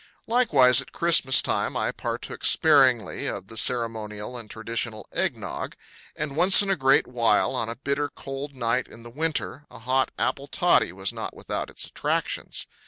Likewise at Christmas time I partook sparingly of the ceremonial and traditional egg nog. And once in a great while, on a bitter cold night in the winter, a hot apple toddy was not without its attractions.